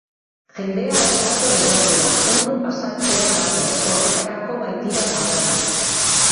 Jendea ez dator edatera, ondo pasatzera dator, horretarako baitira tabernak.